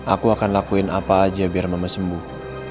aku akan lakuin apa aja biar mama sembuh